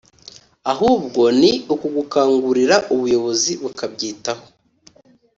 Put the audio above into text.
ahubwo ni ugukangurira ubuyobozi bukabyitaho